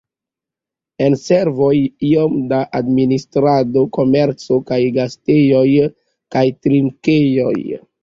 En servoj iom da administrado, komerco kaj gastejoj kaj trinkejoj.